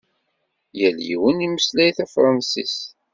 Yal yiwen imeslay tafṛansist.